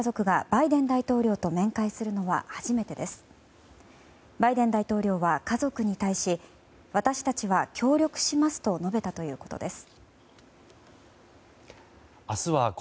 バイデン大統領は家族に対し私たちは協力しますと述べたということです。